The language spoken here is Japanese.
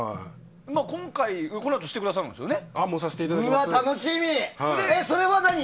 今回、このあと話してくださるんですよね？